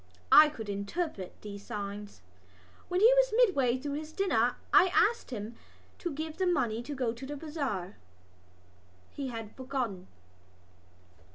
I could interpret these signs. When he was midway through his dinner I asked him to give me the money to go to the bazaar. He had forgotten.